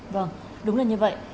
vâng đúng là như vậy